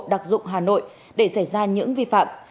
đặc dụng hà nội để xảy ra những vi phạm